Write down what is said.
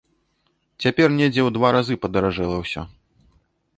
Цяпер недзе ў два разы падаражэла ўсё.